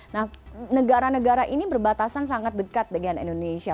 nah negara negara ini berbatasan sangat dekat dengan indonesia